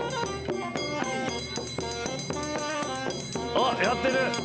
おっやってる。